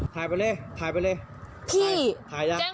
ถ่ายไปเลย